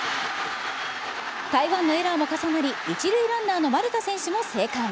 台湾のエラーも重なり、１塁ランナーの丸田選手も生還。